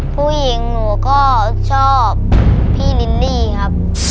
ผู้หญิงหนูก็ชอบพี่นินนี่ครับ